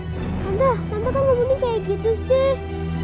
tante tante kan gak mungkin kayak gitu sih